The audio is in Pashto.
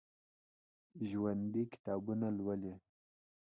ژوندي کتابونه لولي